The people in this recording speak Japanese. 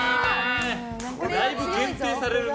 だいぶ限定されるね。